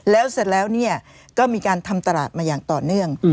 แล้วเสร็จแล้วก็มีการทำตลาดมาอย่างต่อเนื่อง